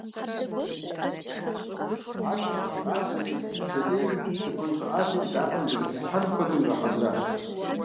Ахэр игъэкъабзэри, пщэдей тыкуэн щӀыӀалъэм и дапхъэм зэрытралъхьэнум хуэдэу игъэхьэзыращ.